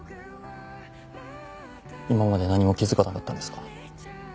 今まで何も気づかなかったんですか？